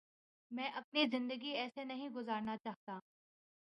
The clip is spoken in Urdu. میں اپنی زندگی ایسے نہیں گزارنا چاہتا